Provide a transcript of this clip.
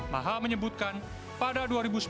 maha menyebutkan pada dua ribu sembilan belas